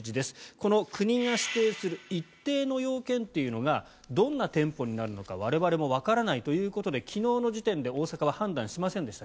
この国が指定する一定の要件というのがどんな店舗になるのか我々もわからないということで昨日の時点で大阪は判断しませんでした。